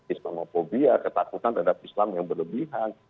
islamophobia ketakutan terhadap islam yang berlebihan